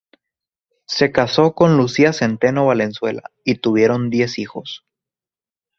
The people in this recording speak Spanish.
Se casó con Lucila Zenteno Valenzuela y tuvieron diez hijos.